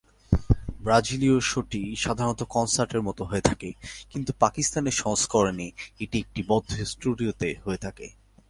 ব্রাজিলীয় শোটি সাধারণত কনসার্টের মত হয়ে থাকে কিন্তু পাকিস্তানের সংস্করণে এটি একটি বদ্ধ স্টুডিওতে হয়ে থাকে।